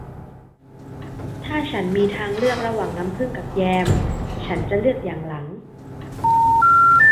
ถ้าฉันมีทางเลือกระหว่างน้ำผึ้งกับแยมฉันจะเลือกอย่างหลัง